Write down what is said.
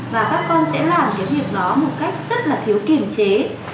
và các con sẽ làm cái việc đó một cách rất là thiếu kiềm chế